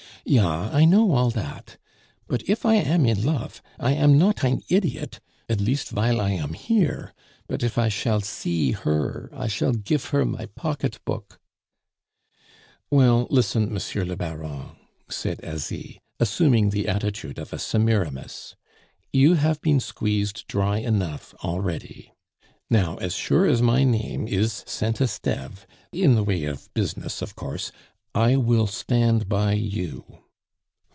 "Ja, I know all dat. But if I am in lofe, I am not ein idiot, at least vile I am here; but if I shall see her, I shall gife her my pocket book " "Well, listen Monsieur le Baron," said Asie, assuming the attitude of a Semiramis. "You have been squeezed dry enough already. Now, as sure as my name is Saint Esteve in the way of business, of course I will stand by you."